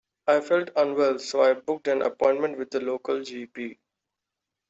I felt unwell so I booked an appointment with the local G P.